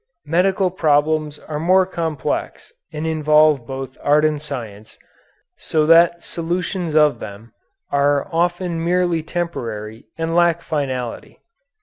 Medical problems are more complex and involve both art and science, so that solutions of them are often merely temporary and lack finality.